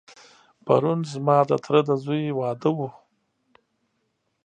پرون ځما دتره دځوی واده و.